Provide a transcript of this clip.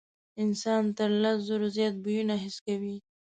انسان تر لس زرو زیات بویونه حس کوي.